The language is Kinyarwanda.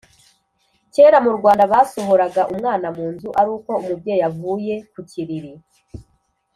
Kera murwanda basohoraga umwana munzu aruko umubyeyi avuye kukiriri